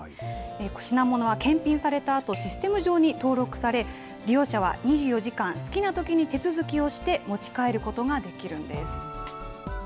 品物は検品されたあと、システム上に登録され、利用者は２４時間、好きなときに手続きをして、持ち帰ることができるんです。